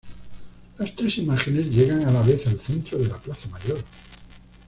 Las tres imágenes llegan a la vez al centro de la Plaza Mayor.